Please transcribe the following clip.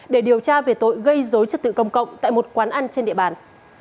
để điều tra về tội gây dối trật tự công cộng tại một quán ăn trên địa bàn